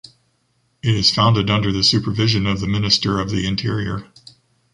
It is founded under the supervision of the minister of the interior.